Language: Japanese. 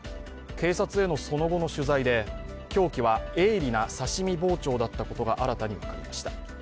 警察へのその後の取材で凶器は鋭利な刺身包丁だったことが新たに分かりました。